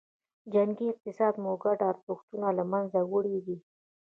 جنګي اقتصاد مو ګډ ارزښتونه له منځه وړي دي.